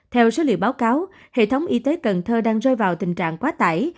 theo số liệu báo cáo hệ thống y tế cần thơ đang rơi vào tình trạng quá tải